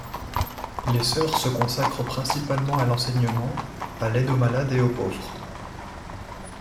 Les sœurs se consacrent principalement à l’enseignement, à l’aide aux malades et aux pauvres.